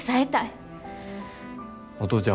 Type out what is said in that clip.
お父ちゃん